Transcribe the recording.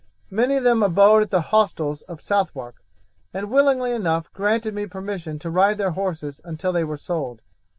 Many of them abode at the hostels at Southwark, and willingly enough granted me permission to ride their horses until they were sold.